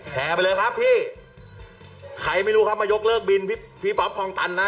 ไปเลยครับพี่ใครไม่รู้ครับมายกเลิกบินพี่ป๊อปคลองตันนะ